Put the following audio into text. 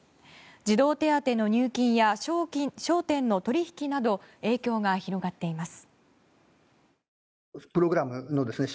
児童手当の入金や証券の取引など影響が広がっています。